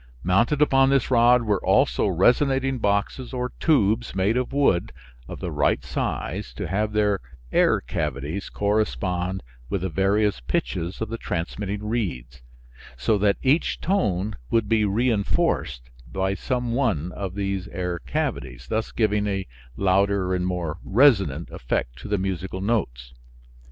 Mounted upon this rod were also resonating boxes or tubes made of wood of the right size to have their air cavities correspond with the various pitches of the transmitting reeds, so that each tone would be re enforced by some one of these air cavities, thus giving a louder and more resonant effect to the musical notes.